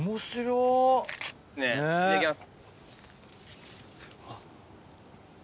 いただきます。